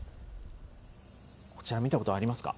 こちら、見たことありますか。